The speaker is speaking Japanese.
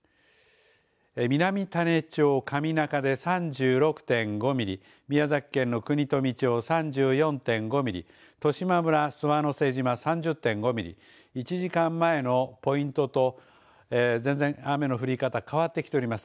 南種子町上中で３６．５ミリ、宮崎県の国富町３４．５ミリ、十島村諏訪之瀬島３０．５ミリ１時間前のポイントと全然雨の降り方変わってきております。